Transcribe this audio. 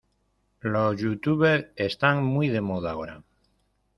Los youtubers están muy de moda ahora